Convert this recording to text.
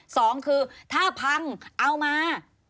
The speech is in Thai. สองคือถ้าพังเอามา